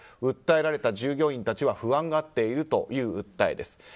訴えられた従業員たちは不安がっているという訴えです。